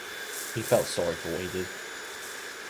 He felt sorry for what he did.